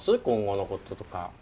今後のこととか。